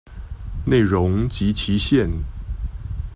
內容及期限